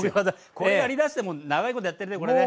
これやりだしてもう長いことやってるねこれね。